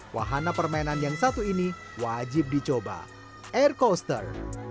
wahana permainan yang satu ini wajib dicoba aircoaster